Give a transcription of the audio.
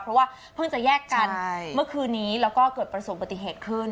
เพราะว่าเพิ่งจะแยกกันเมื่อคืนนี้แล้วก็เกิดประสบปฏิเหตุขึ้น